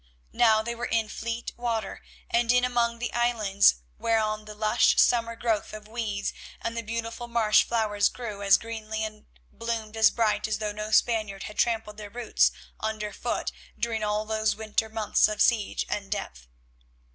Now they were in fleet water, and in among the islands whereon the lush summer growth of weeds and the beautiful marsh flowers grew as greenly and bloomed as bright as though no Spaniard had trampled their roots under foot during all those winter months of siege and death.